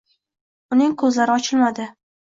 Uning ko`zlari ochilmadi